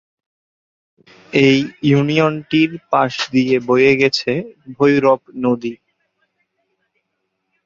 এই ইউনিয়নটির পাশ দিয়ে বয়ে গেছে ভৈরব নদী।